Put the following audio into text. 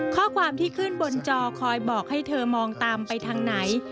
ข้อความที่ขึ้นบนจอคอยบอกให้เธอมองตามไปทางไหน